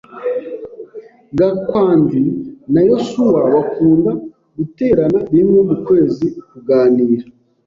Gakwandi na Yosuwa bakunda guterana rimwe mu kwezi kuganira.